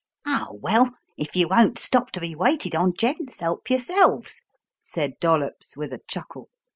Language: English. "Oh, well, if you won't stop to be waited on, gents, help yourselves!" said Dollops with a chuckle.